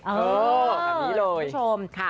เออแบบนี้เลยคุณผู้ชมค่ะ